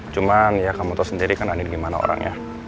cuman ya kamu tau sendiri kan andien gimana orangnya